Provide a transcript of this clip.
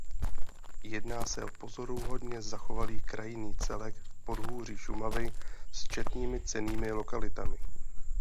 Jedná se o pozoruhodně zachovalý krajinný celek v podhůří Šumavy s četnými cennými lokalitami.